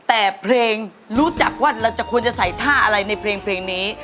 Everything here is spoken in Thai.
แต่เพลงรู้จักว่าเราจะควรจะใส่ท่าอะไรในเพลงนี้